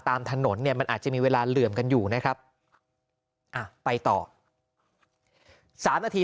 ตามถนนเนี่ยมันอาจจะมีเวลาเหลื่อมกันอยู่นะครับอ่ะไปต่อสามนาที